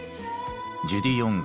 ジュディ・オング。